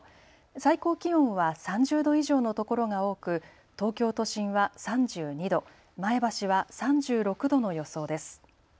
最高気温は３０度以上のところが多く東京都心は３２度、前橋は３６度の予想です。